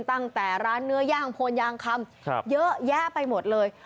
ตั้งแต่ร้านเนื้อย่างโพนยางคำเยอะแยะไปหมดเลย